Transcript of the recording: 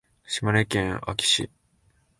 島根県安来市